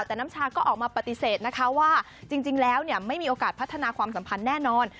แต่น้ำชาก็ออกมาปฏิเสธนะคะว่าจริงแล้วไม่มีโอกาสพัฒนาความสัมพันธ์แน่นอน